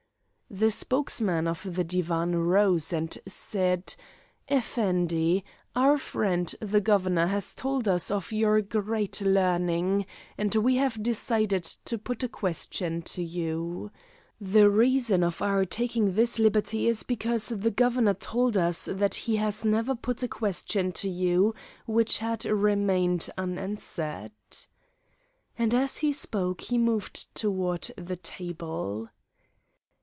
The spokesman of the Divan rose and said: "Effendi, our friend the Governor has told us of your great learning, and we have decided to put a question to you. The reason of our taking this liberty is because the Governor told us that he had never put a question to you which had remained unanswered." And as he spoke he moved toward the table.